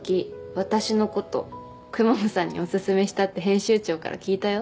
私のこと公文さんにお勧めしたって編集長から聞いたよ